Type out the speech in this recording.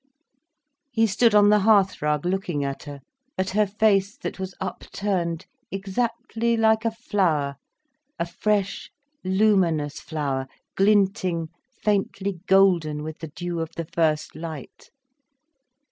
He stood on the hearth rug looking at her, at her face that was upturned exactly like a flower, a fresh, luminous flower, glinting faintly golden with the dew of the first light.